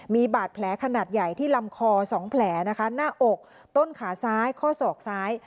มีบาดแผลขนาดใหญ่ที่ลำคอ๒แผลนะคะหน้าอกต้นขาซ้ายข้อศอกซ้าย